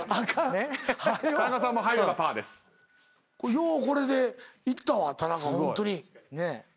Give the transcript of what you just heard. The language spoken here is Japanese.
ようこれでいったわ田中ホントに。